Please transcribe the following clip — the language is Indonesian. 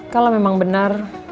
kalau memang benar